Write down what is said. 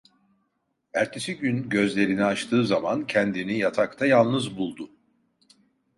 Ertesi gün gözlerini açtığı zaman kendini yatakta yalnız buldu.